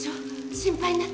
心配になって。